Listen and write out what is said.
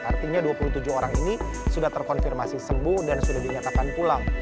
artinya dua puluh tujuh orang ini sudah terkonfirmasi sembuh dan sudah dinyatakan pulang